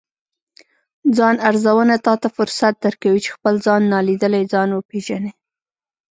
ځان ارزونه تاته فرصت درکوي، چې خپل نالیدلی ځان وپیژنې